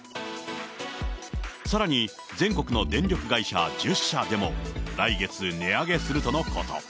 さらに全国の電力会社１０社でも、来月値上げするとのこと。